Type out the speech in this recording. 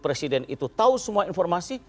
presiden itu tahu semua informasi